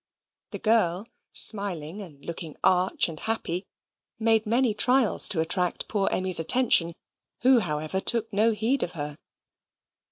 The girl, smiling, and looking arch and happy, made many trials to attract poor Emmy's attention, who, however, took no heed of her.